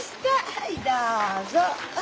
はいどうぞ。